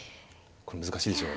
これ難しいでしょ